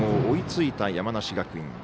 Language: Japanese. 追いついた山梨学院。